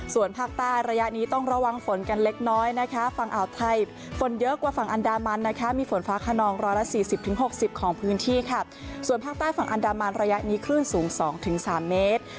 ส่วนภาคใต้ระยะนี้ต้องระวังฝนกันเล็กน้อยนะคะฝั่งอ่าวไทยฝนเยอะกว่าฝั่งอันดามันนะคะมีฝนฟ้าขนองร้อยละสี่สิบถึงหกสิบของพื้นที่ค่ะส่วนภาคใต้ฝั่งอันดามันระยะนี้คลื่นสูง๒๓เมตร